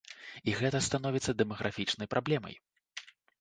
І гэта становіцца дэмаграфічнай праблемай.